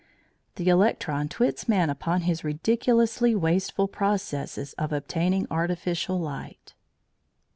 The electron twits man upon his ridiculously wasteful processes of obtaining artificial light.